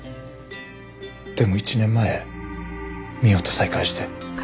でも１年前美緒と再会して。